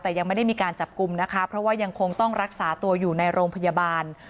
แต่ยังไม่ได้มีการจับกลุ่มนะคะเพราะว่ายังคงต้องรักษาตัวอยู่ในโรงพยาบาล